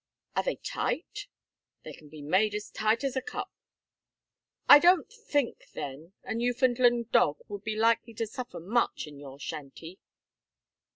"Are they tight?" "They can be made as tight as a cup." "I don't think, then, a Newfoundland dog would be likely to suffer much in your shanty."